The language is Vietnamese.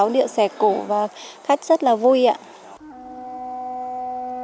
và khách rất là vui ạ